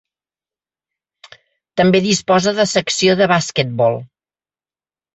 També disposa de secció de basquetbol.